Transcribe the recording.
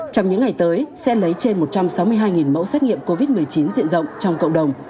trong những ngày tới sẽ lấy trên một trăm sáu mươi hai mẫu xét nghiệm covid một mươi chín diện rộng trong cộng đồng